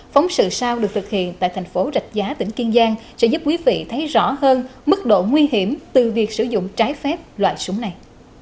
phóng sự sau được thực hiện tại thành phố rạch giá tỉnh kiên giang sẽ giúp quý vị thấy rõ hơn mức độ nguy hiểm từ việc sử dụng trái phép loại súng này